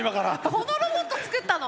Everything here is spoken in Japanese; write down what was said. このロボットを作ったの？